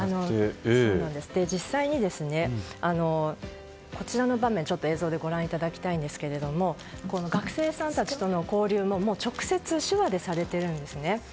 実際にこちらの場面を映像でご覧いただきたいんですが学生さんたちとの交流も直接、手話でされているんですね。